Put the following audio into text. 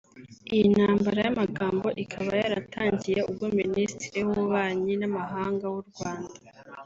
Iyi ntambara y’amagambo ikaba yaratangiye ubwo Ministre w’ububanyi n’amahanga w’u Rwanda